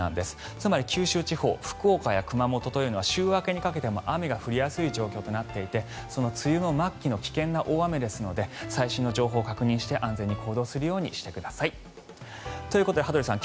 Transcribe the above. つまり、九州地方福岡や熊本というのは週明けにかけても雨が降りやすい状況となっていて梅雨の末期の危険な大雨ですので最新の情報を確認して、安全に行動するようにしてください。ということで羽鳥さん